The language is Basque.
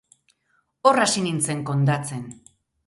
Hor hasi nintzen kondatzen.